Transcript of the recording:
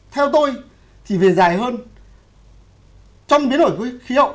theo tôi thì về dài hơn trong biến đổi khí hậu